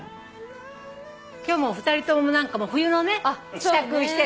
今日２人とも何か冬のね支度してる。